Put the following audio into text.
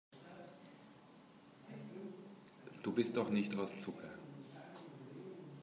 Du bist doch nicht aus Zucker.